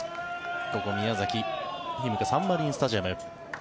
ここ、宮崎ひなたサンマリンスタジアム。